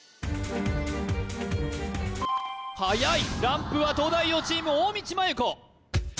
はやいランプは東大王チーム大道麻優子